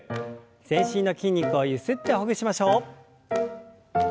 全身の筋肉をゆすってほぐしましょう。